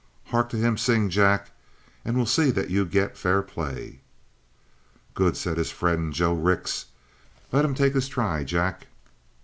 "Hark to him sing, Jack, and we'll see that you get fair play." "Good," said his friend, Joe Rix. "Let him take his try, Jack."